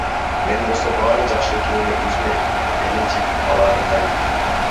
Мен болсо баары жакшы экенин, өзүм эле жетип алаарымды айттым.